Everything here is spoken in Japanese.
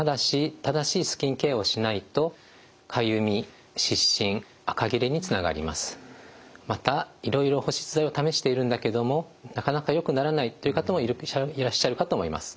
ただしまたいろいろ保湿剤を試しているんだけどもなかなかよくならないという方もいらっしゃるかと思います。